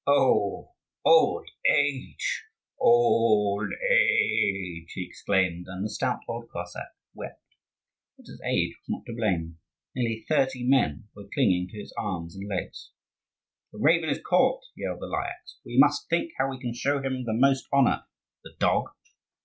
"Oh, old age, old age!" he exclaimed: and the stout old Cossack wept. But his age was not to blame: nearly thirty men were clinging to his arms and legs. "The raven is caught!" yelled the Lyakhs. "We must think how we can show him the most honour, the dog!"